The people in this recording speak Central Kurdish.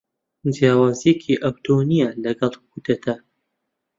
جیاوازیەکی ئەتۆی نییە لەگەل کودەتا.